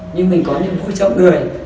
nhưng mình có nhiều vui trong người